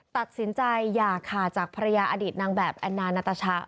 ตัดสินใจอย่าขาดจากภรรยาอดีตนางแบบแอนนานาตาชะ